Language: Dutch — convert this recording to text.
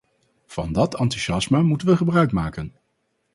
Van dat enthousiasme moeten we gebruik maken.